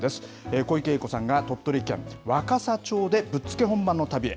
小池栄子さんが鳥取県若桜町で、ぶっつけ本番の旅へ。